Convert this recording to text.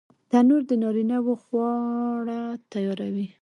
تنور د نارینه وو خواړه تیاروي